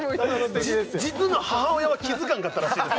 実の母親は気づかんかったらしいです